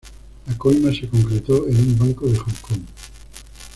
La coima se concretó en un banco de Hong Kong.